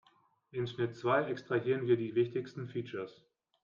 In Schritt zwei extrahieren wir die wichtigsten Features.